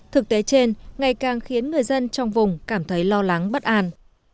thực tế trên ngày càng khiến người dân trong vùng cảm thấy lo lắng bất an